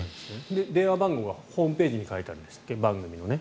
電話番号はホームページに書いてあるんですね。